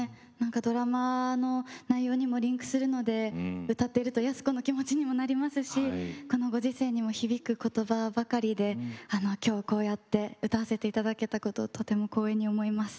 ドラマの内容にもリンクするので歌っていると安子の気持ちにもなりますしこのご時世にも響くことばばかりできょうこうやって歌わせていただけたこととても光栄に思います。